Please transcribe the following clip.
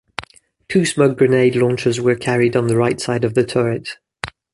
Two smoke grenade launchers were carried on the right side of the turret.